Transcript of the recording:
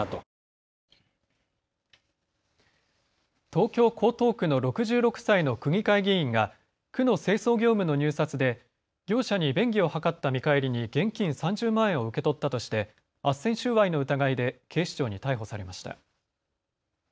東京江東区の６６歳の区議会議員が区の清掃業務の入札で業者に便宜を図った見返りに現金３０万円を受け取ったとしてあっせん収賄の疑いで警視庁に逮捕されました。